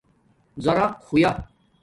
زارق ہویا